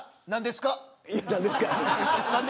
何ですか。